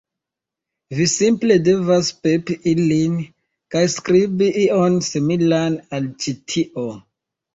Vi simple devas pepi ilin, kaj skribi ion similan al ĉi tio